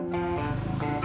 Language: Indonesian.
aku mau ke rumah